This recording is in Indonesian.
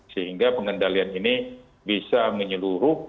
sehingga pengendalian ini bisa menyeluruh